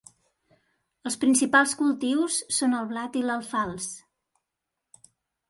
Els principals cultius són el blat i l'alfals.